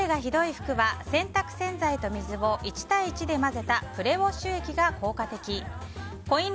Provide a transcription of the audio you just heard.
泥汚れがひどい服は洗濯洗剤と水を１対１で混ぜたプレウォッシュ洗剤が効果的。